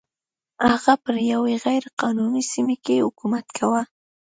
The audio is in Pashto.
هغه پر یوې غیر قانوني سیمه کې حکومت کاوه.